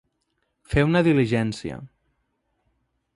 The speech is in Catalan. Fer una diligència.